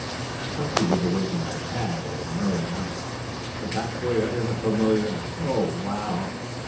Chunky was awakened by Tad at an early hour. The fat boy uttered a familiar "Oh, wow!"